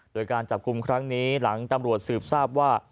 โดยการจับกลุ่มครั้งนี้หลังตำรวจสืบทราบว่า